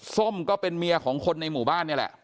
ส้มก็เป็นเมียของคนในหมู่บ้านนี่แหละ